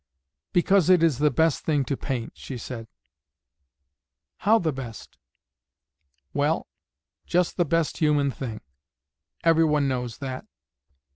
"Because it is the best thing to paint," she said. "How the best?" "Well, just the best human thing: everyone knows that."